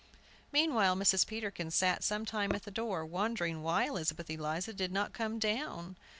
Meanwhile, Mrs. Peterkin sat some time at the door, wondering why Elizabeth Eliza did not come down.